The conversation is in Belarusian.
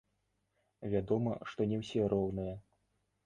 Вядома, што не ўсе роўныя.